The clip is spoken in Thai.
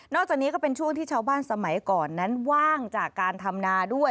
จากนี้ก็เป็นช่วงที่ชาวบ้านสมัยก่อนนั้นว่างจากการทำนาด้วย